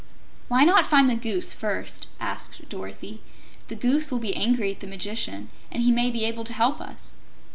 "Why not find the Goose, first?" asked Dorothy. "The Goose will be angry at the Magician, and he may be able to help us."